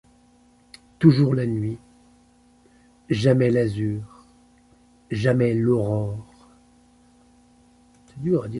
Toujours la nuit ! jamais l’azur ! jamais l’aurore !